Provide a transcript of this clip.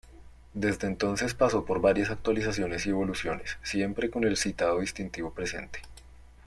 Desde entonces pasó por varias actualizaciones y evoluciones, siempre con el citado distintivo presente.